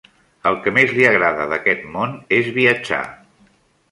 El que més li agrada d'aquest món és viatjar.